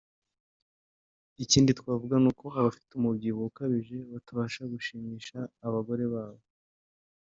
Ikindi twavuga ni uko abantu bafite umubyibuho ukabije batabasha gushimisha abagore babo